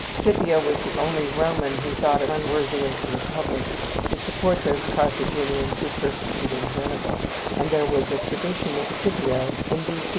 Scipio was the only Roman who thought it unworthy of the republic to support those Carthaginians who persecuted Hannibal; and there was a tradition that Scipio, in B.C.